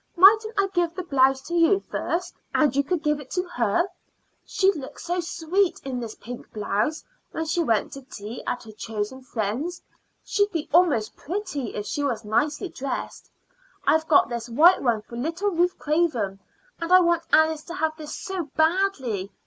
Mightn't I give the blouse to you first, and you could give it to her? She'd look so sweet in this pink blouse when she went to tea at her chosen friends. She'd be almost pretty if she was nicely dressed. I've got this white one for little Ruth Craven, and I want Alice to have this so badly.